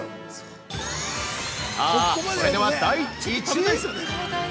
◆さぁ、それでは第１位。